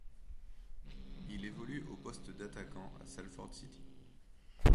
Il évolue au poste d'attaquant à Salford City.